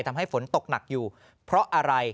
ทำให้ฝนตกหนักอยู่เพราะอะไร